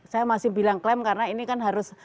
saya masih bilang klaim karena ini kan harus